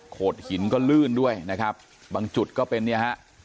โดดหินก็ลื่นด้วยนะครับบางจุดก็เป็นเนี่ยฮะ